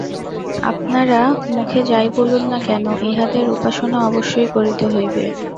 আপনারা মুখে যাই বলুন না কেন, ইহাদের উপাসনা অবশ্যই করিতে হইবে।